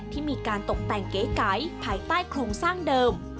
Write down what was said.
ที่มีการตกแต่งเก๋ภายใต้โครงสร้างเดิม